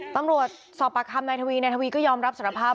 ตำรวจสอบปากคำนายทวีนายทวีก็ยอมรับสารภาพ